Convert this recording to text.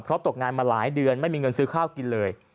เพราะตกงานมาหลายเดือนไม่มีเงินซื้อข้าวกินเลย